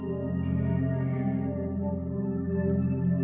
tapi itu memang tidak begitu sebuah penting bagi mereka